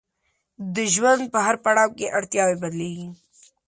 د ژوند په هر پړاو کې اړتیاوې بدلیږي.